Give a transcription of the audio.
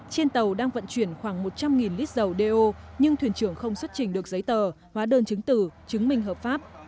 trên tàu đang vận chuyển khoảng một trăm linh lít dầu đeo nhưng thuyền trưởng không xuất trình được giấy tờ hóa đơn chứng tử chứng minh hợp pháp